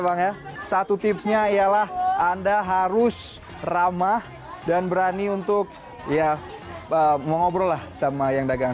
bang ya satu tipsnya ialah anda harus ramah dan berani untuk ya mau ngobrol lah sama yang dagang